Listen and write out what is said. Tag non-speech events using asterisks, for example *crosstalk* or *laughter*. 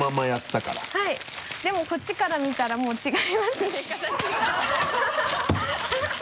でもこっちから見たらもう違いますね形が *laughs*